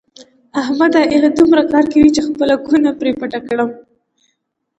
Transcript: احمد ایله دومره کار کوي چې خپله کونه پرې پټه کړي.